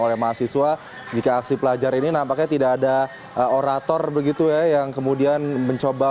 oleh mahasiswa jika aksi pelajar ini nampaknya tidak ada orator begitu ya yang kemudian mencoba